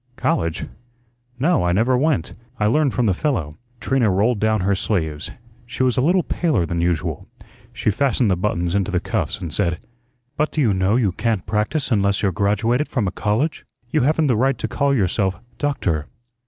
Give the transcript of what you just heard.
College? No, I never went. I learned from the fellow." Trina rolled down her sleeves. She was a little paler than usual. She fastened the buttons into the cuffs and said: "But do you know you can't practise unless you're graduated from a college? You haven't the right to call yourself, 'doctor.'"